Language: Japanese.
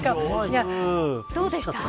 どうでした。